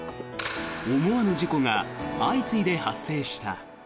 思わぬ事故が相次いで発生した。